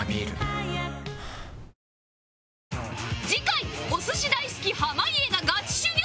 次回お寿司大好き濱家がガチ修業！